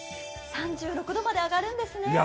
３６度まで上がるんですね。